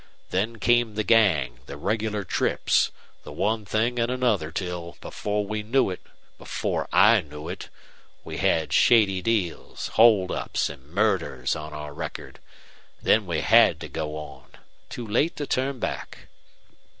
Then came the gang, the regular trips, the one thing and another till, before we knew it before I knew it we had shady deals, holdups, and MURDERS on our record. Then we HAD to go on. Too late to turn back!"